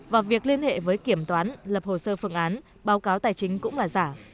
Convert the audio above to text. và việc liên hệ với kiểm toán lập hồ sơ phương án báo cáo tài chính cũng là giả